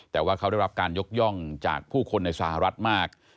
แต่ว่าเขาได้รับการยกย่องจากผู้คนในสหรัฐมาก